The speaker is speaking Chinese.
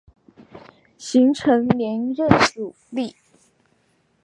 形成连任阻力。